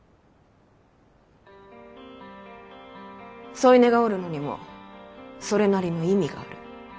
添い寝がおるのにもそれなりの意味がある。